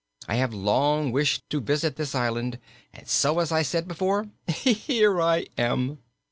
I have long wished to visit this island; and so, as I said before, here I am!"